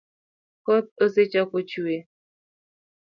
Koth osechako chue